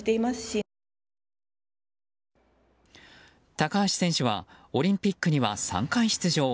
高橋選手はオリンピックには３回出場。